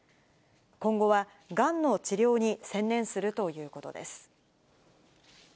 今後は、がんの治療に専念するということです。